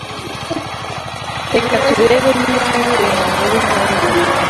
Reka turebe niba hari umuntu uri hanze.